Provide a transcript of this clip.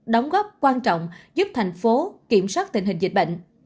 đóng góp quan trọng giúp thành phố kiểm soát tình hình dịch bệnh